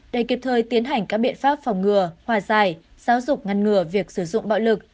để kịp thời tiến hành các biện pháp phòng ngừa hòa giải giáo dục ngăn ngừa việc sử dụng bạo lực